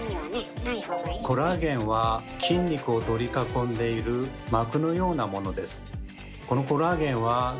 コラーゲンは筋肉を取り囲んでいる膜のようなものです。